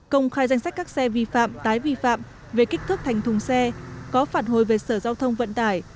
công khai danh sách các xe vi phạm tái vi phạm về kích thước thành thùng xe có phản hồi về sở giao thông vận tải